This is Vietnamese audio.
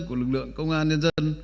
của lực lượng công an nhân dân